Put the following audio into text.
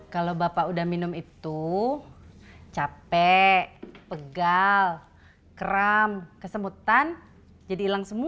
kalau bapak udah minum itu capek pegal kram kesemutan jadi hilang semua